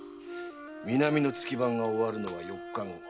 南の月番が終わるのは四日後。